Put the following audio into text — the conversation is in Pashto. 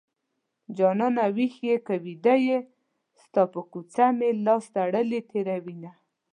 جانانه ويښ يې که ويده يې ستا په کوڅه مې لاس تړلی تېروينه